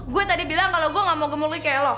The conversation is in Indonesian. gue tadi bilang kalau gue gak mau gemuk lagi kayak lo